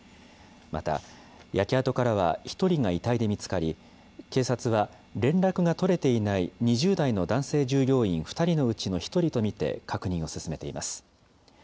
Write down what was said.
また、焼け跡からは１人が遺体で見つかり、警察は連絡が取れていない２０代の男性従業員２人のうちの１人と見て確認を進めています。